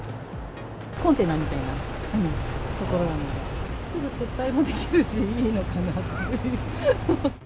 コンテナみたいな所なので、すぐ撤退もできるし、いいのかなっていう。